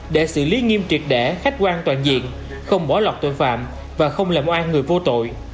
để xử lý nghiêm triệt đẻ khách quan toàn diện không bỏ lọt tội phạm và không làm oan người vô tội